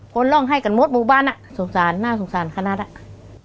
คนร่องให้กันโม้ดบุบันสงสารน่าสงสารขนาดนั้น